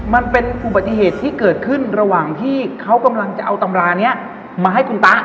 มันเป็นอุบัติเหตุที่เกิดขึ้นระหว่างที่เขากำลังจะเอาตำรานี้มาให้คุณตะ